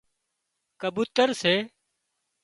ڪبوتر سي